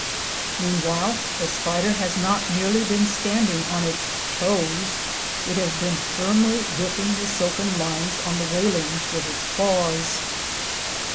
Meanwhile the spider has not merely been standing on its "toes,"—it has been firmly gripping the silken lines on the railings with its claws.